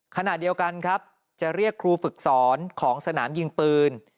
ขณะเดียวกันครับจะเรียกครูฝึกสอนของสนามยิงปืน